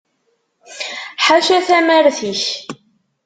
Ḥaca tamart ik.